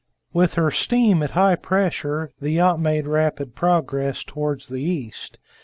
With her steam at high pressure, the yacht made rapid progress towards the east.